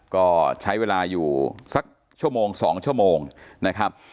ก็ใช้เวลาอยู่สักชั่วโมง๒ชั่วโมงนะครับ